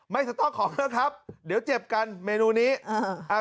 สต๊อกของแล้วครับเดี๋ยวเจ็บกันเมนูนี้อ่าอ่า